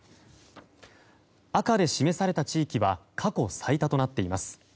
赤で示された地域は過去最多となっています。